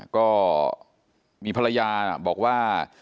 ก็มีภรรยาบอกว่า